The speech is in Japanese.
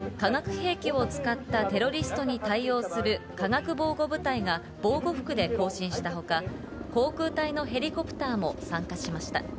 また、化学兵器を使ったテロリストに対応する、化学防護部隊が防護服で行進したほか、航空隊のヘリコプターも参加しました。